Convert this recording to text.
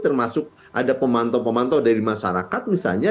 termasuk ada pemantau pemantau dari masyarakat misalnya